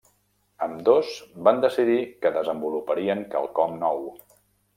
Ambdós van decidir que desenvoluparien quelcom nou.